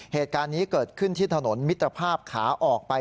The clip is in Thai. เหตุการณ์นี้เกิดขึ้นที่ถนนมิตรภาพขาออกไป